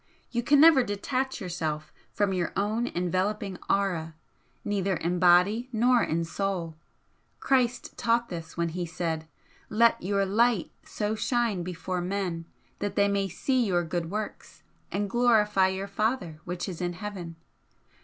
You can never detach yourself from your own enveloping aura neither in body nor in soul. Christ taught this when He said: 'Let your light so shine before men that they may see your good works and glorify your Father which is in heaven.'